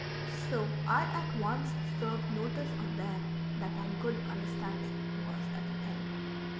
So I at once served notice on them that our good understanding was at an end.